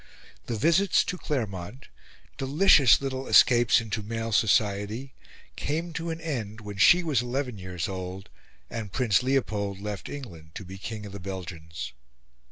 The visits to Claremont delicious little escapes into male society came to an end when she was eleven years old and Prince Leopold left England to be King of the Belgians.